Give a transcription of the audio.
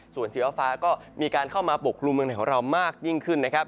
ส่วนสีฟ้าก็มีการเข้ามาปกครุมเมืองไหนของเรามากยิ่งขึ้นนะครับ